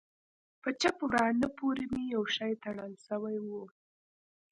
په چپ ورانه پورې مې يو شى تړل سوى و.